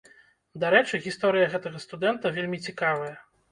Дарэчы, гісторыя гэтага студэнта вельмі цікавая.